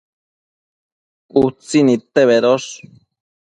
Utsin nidte bedosh